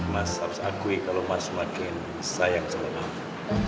mas harus akui kalau mas makin sayang sama aku